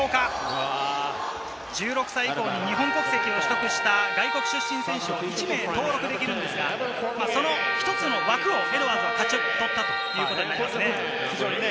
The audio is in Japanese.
１６歳以降に日本国籍を取得した外国籍選手を１人登録できるんですけれども、そのひと枠をエドワーズが勝ち取ったということになります。